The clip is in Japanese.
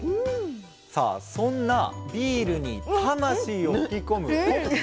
そんなビールに魂を吹き込むホップ。